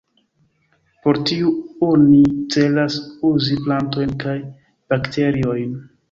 Por tiu oni celas uzi plantojn kaj bakteriojn.